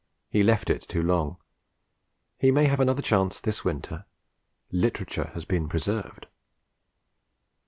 He left it too long. He may have another chance this winter. 'Literature' has been preserved.